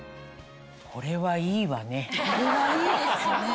これはいいですね。